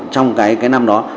trong cái năm đó